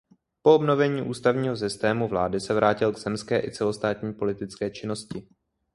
Po obnovení ústavního systému vlády se vrátil k zemské i celostátní politické činnosti.